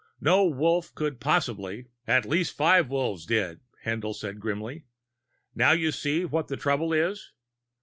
No Wolf could possibly " "At least five Wolves did," Haendl said grimly. "Now you see what the trouble is?